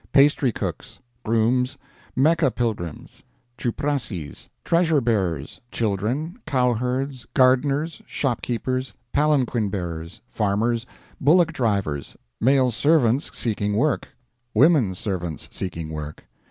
Pastry cooks. Grooms. Mecca pilgrims. Chuprassies. Treasure bearers. Children. Cowherds. Gardeners. Shopkeepers. Palanquin bearers. Farmers. Bullock drivers. Male servants seeking work. Women servants seeking work.